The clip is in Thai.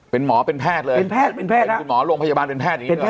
เป็นหมอเป็นแพทย์เลยเป็นแพทย์เป็นแพทย์เป็นคุณหมอโรงพยาบาลเป็นแพทย์อย่างนี้ใช่ไหม